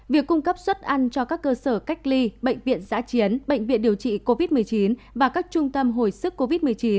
việc cung cấp suất ăn cho các cơ sở cách ly bệnh viện giã chiến bệnh viện điều trị covid một mươi chín và các trung tâm hồi sức covid một mươi chín